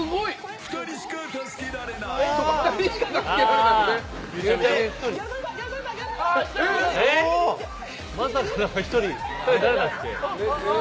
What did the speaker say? ２人しか助けられない。